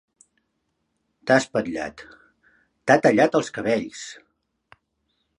T'ha "espatllat", t'ha tallat els cabells!